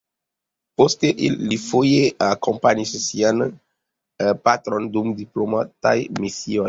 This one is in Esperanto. Poste li foje akompanis sian patron dum diplomataj misioj.